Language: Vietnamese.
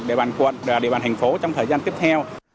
địa bàn quận và địa bàn thành phố trong thời gian tiếp theo